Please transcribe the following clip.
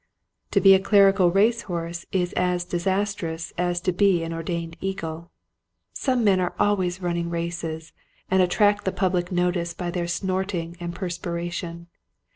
To be a clerical race horse is as disas trous as to be an ordained eagle. Some men are always running races and attract the public notice by their snorting and per spiration.